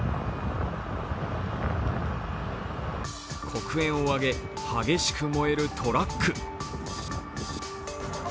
黒煙を上げ激しく燃えるトラック。